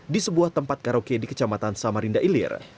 di sebuah tempat karaoke di kecamatan samarinda ilir